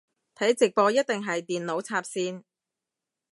睇直播一定係電腦插線